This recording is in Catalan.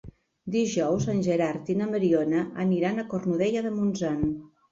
Dijous en Gerard i na Mariona aniran a Cornudella de Montsant.